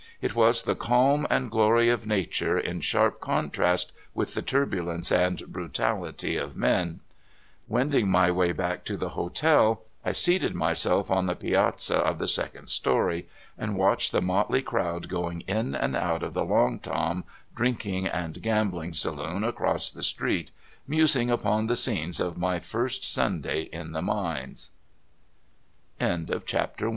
It was the calm and glory of nature in sharp contrast with the turbulence and brutality of men. Wending my way back to the hotel, I seated myself on the piazza of the second story, and watched the motley crowd going in and out of the '* Long Tom '' drinking and gambling saloon across the street, musing upon the